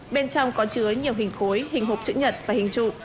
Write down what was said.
bên trong có chứa nhiều hình khối hình hộp chữ nhật và hình trụ